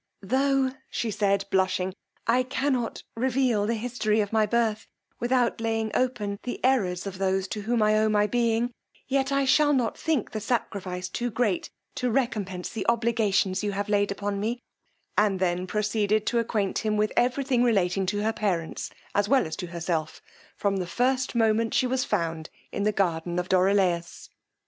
Tho', said she blushing, I cannot reveal the history of my birth without laying open the errors of those to whom I owe my being, yet I shall not think the sacrifice too great to recompence the obligations you have laid upon me; and then proceeded to acquaint him with every thing relating to her parents, as well as to herself, from the first moment she was found in the garden of Dorilaus.